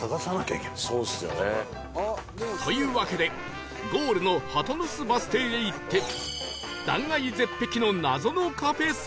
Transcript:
というわけでゴールの鳩の巣バス停へ行って断崖絶壁の謎のカフェ探しへ